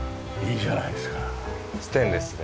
ステンレスで。